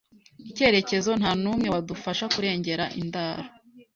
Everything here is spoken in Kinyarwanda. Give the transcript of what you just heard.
icyerekezo, ntanumwe wadufasha kurengera indaro.